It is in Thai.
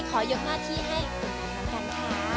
ขอยกหน้าที่ให้คุณคนนั้นกันค่ะ